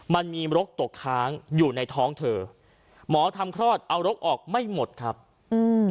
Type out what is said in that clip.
มันมีรกตกค้างอยู่ในท้องเธอหมอทำคลอดเอารกออกไม่หมดครับอืม